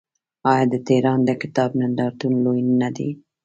آیا د تهران د کتاب نندارتون لوی نه دی؟